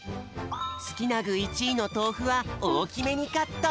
すきなぐ１いのとうふはおおきめにカット。